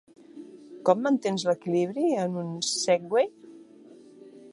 Com mantens l"equilibri a un Segway?